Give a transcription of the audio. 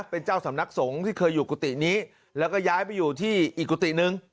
เป็นเจ้าสำนักสงฆ์ที่เคยอยู่กุฏินี้แล้วก็ย้ายไปอยู่ที่อีกกุฏินึง